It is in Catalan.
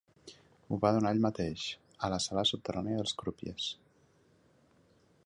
M'ho va donar ell mateix, a la sala subterrània dels crupiers.